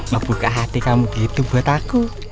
ngebuka hati kamu gitu buat aku